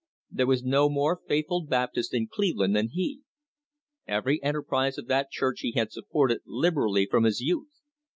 There was no more faithful Baptist in Cleveland than he. Every enterprise of that church he had supported liberally from his youth.